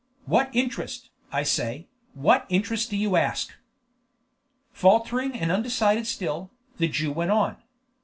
"What interest, I say, what interest do you ask?" Faltering and undecided still, the Jew went on.